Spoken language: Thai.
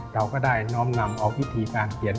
เราก็ได้น้อมนำเอาวิธีการเขียน